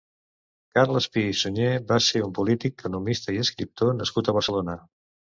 Carles Pi i Sunyer va ser un polític, economista i escriptor nascut a Barcelona.